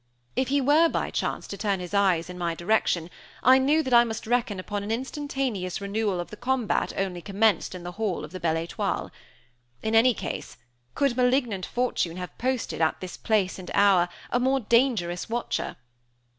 If he were, by chance, to turn his eyes in my direction, I knew that I must reckon upon an instantaneous renewal of the combat only commenced in the hall of Belle Étoile. In any case, could malignant fortune have posted, at this place and hour, a more dangerous watcher?